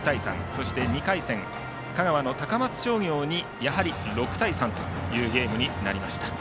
そして２回戦、香川の高松商業にやはり６対３というゲームになりました。